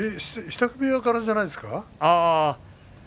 支度部屋からじゃないですか？